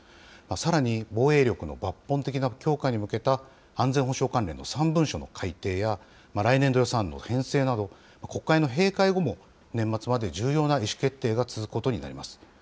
さらに、防衛力の抜本的な強化に向けた安全保障関連の３文書の改定や、来年度予算案の編成など、国会の閉会後も年末まで重要な意思決定が続くことになります。